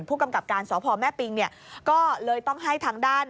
ผู้กำกับการสพแม่ปิงเนี่ยก็เลยต้องให้ทางด้าน